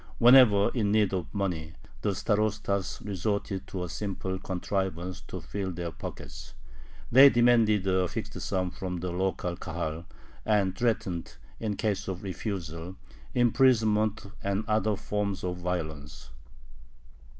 Whenever in need of money, the starostas resorted to a simple contrivance to fill their pockets: they demanded a fixed sum from the local Kahal, and threatened, in case of refusal, imprisonment and other forms of violence.